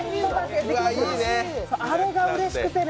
あれがうれしくてね。